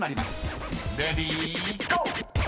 ［レディーゴー！］